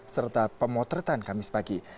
serta pemotretan kamis pagi